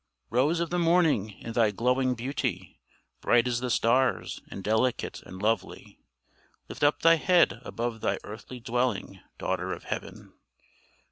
] Rose of the morning, in thy glowing beauty Bright as the stars, and delicate and lovely, Lift up thy head above thy earthly dwelling, Daughter of heaven!